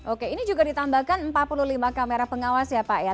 oke ini juga ditambahkan empat puluh lima kamera pengawas ya pak ya